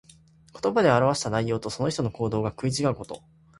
言葉で表した内容と、その人の行動とが食い違うこと。